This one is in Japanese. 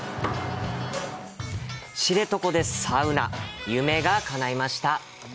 知床でサウナ、夢がかないました！